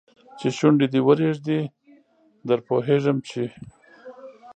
چې شونډي دې ورېږدي در پوهېږم چې